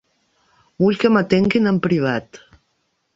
Vull que m'atenguin en privat.